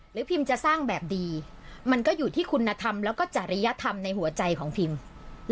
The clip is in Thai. พิมจะสร้างแบบดีมันก็อยู่ที่คุณธรรมแล้วก็จริยธรรมในหัวใจของพิม